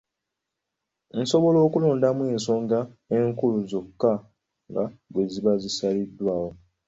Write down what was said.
Nsobola okulondamu ensonga enkulu zokka nga bwe ziba zisaliddwawo.